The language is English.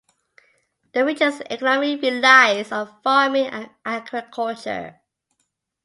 The region's economy relies on farming and agriculture.